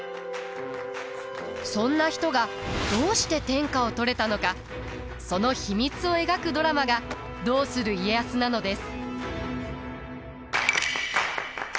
そんな人がどうして天下を取れたのかその秘密を描くドラマが「どうする家康」なのです。